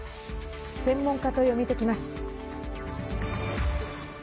専門家と読み解きます。